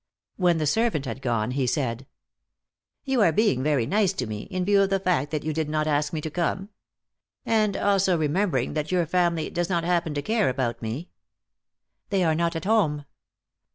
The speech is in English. When the servant had gone, he said: "You are being very nice to me, in view of the fact that you did not ask me to come. And also remembering that your family does not happen to care about me." "They are not at home."